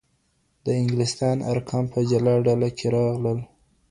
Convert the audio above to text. د انګلستان ارقام په جلا ډله کي راغلل.